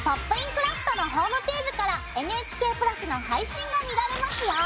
クラフト」のホームページからＮＨＫプラスの配信が見られますよ。